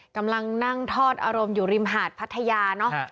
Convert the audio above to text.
กำลังนั่งทอดอารมณ์อยู่ริมหาดพัทยาเนอะ